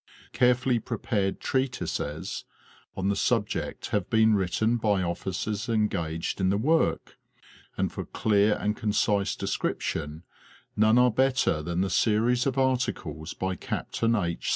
Carefully prepared treatises on the subject have been written by officers engaged in the work, and for clear and concise descrip tion none are better than the series of articles by Captain H.